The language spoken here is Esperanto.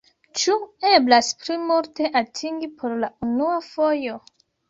Ĉu eblas pli multe atingi por la unua fojo?